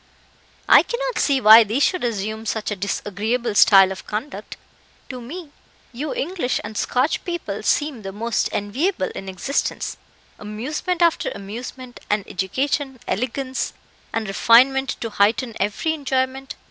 "I cannot see why they should assume such a disagreeable style of conduct. To me, you English and Scotch people seem the most enviable in existence amusement after amusement, and education, elegance, and refinement to heighten every enjoyment.